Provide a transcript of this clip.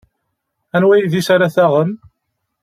Anwa idis ara taɣem?